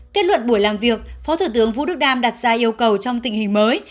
kết luận buổi làm việc phó thủ tướng vũ đức đam đặt ra yêu cầu trong tình hình mới